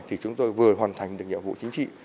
thì chúng tôi vừa hoàn thành được nhiệm vụ chính trị